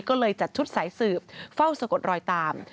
ก็เลยจัดชุดสายสืบเฝ้าสะกดรอยตาม